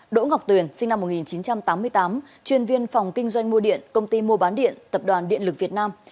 đỗ ngọc tuyền sinh năm một nghìn chín trăm tám mươi tám chuyên viên phòng kinh doanh mua điện công ty mua bán điện tập đoàn điện lực việt nam